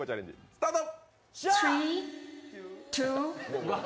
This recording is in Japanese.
スタート！